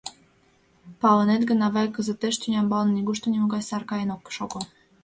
— Палынет гын, авай, кызытеш тӱнямбалне нигушто нимогай сар каен ок шого.